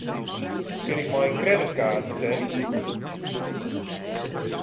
Kin ik mei in kredytkaart betelje?